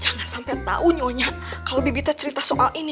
jangan sampai tau nyonya kalau bibitnya cerita soal ini